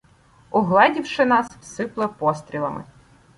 Угледівши нас, сипле пострілами.